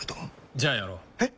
じゃあやろう。え？